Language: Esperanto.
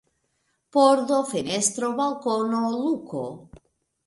Pordo, fenestro, balkono, luko.